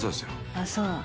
あっそう。